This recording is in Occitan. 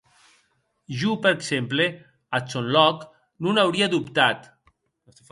Jo, per exemple, ath sòn lòc, non auria dobtat.